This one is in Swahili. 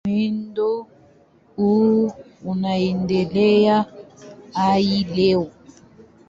Muundo huu unaendelea hadi leo.